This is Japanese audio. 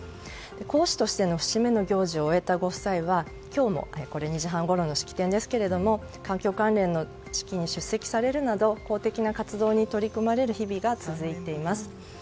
皇嗣としての節目の行事を終えたご夫妻はこれは２時半ごろの式典ですが今日も環境関連の式に出席されるなど公的な活動に取り組まれる日々が続いています。